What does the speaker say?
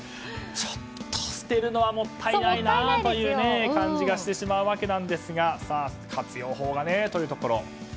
ちょっと捨てるのはもったいないなという感じがしてしまうわけなんですが活用法がというところ。